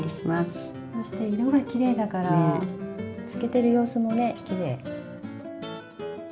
そして色がきれいだから漬けてる様子もねきれい。